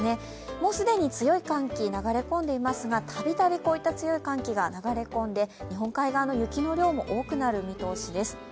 もう気に強い寒気が流れ込んでいますが、たびたびこういった強い寒気が流れ込んで、日本海側の雪の量も多くなる見通しです。